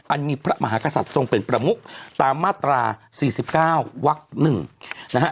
อันนี้มหากศัตริย์ทรงเป็นประมุขตามมาตรา๔๙วักหนึ่งนะฮะ